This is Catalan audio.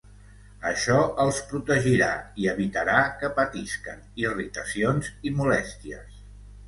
Això els protegirà i evitarà que patisquen irritacions i molèsties.